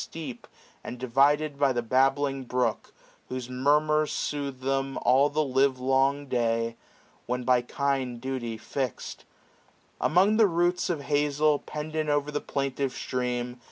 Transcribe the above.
Steep, and divided by a babbling brook. Whose murmurs soothe them all the live^long day. When by kind duty fix'd. Among the roots 645 Of hazel, pendant o'er the plaintive stream.